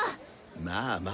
まあまあ。